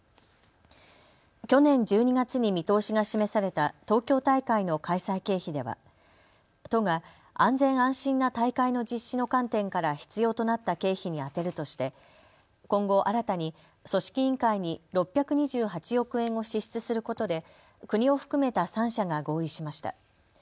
去年１２月に見通しが示された東京大会の開催経費では都が安全安心な大会の実施の観点から必要となった経費に充てるとして今後、新たに組織委員会に６２８億円を支出することで国を含めた３者が合意しました。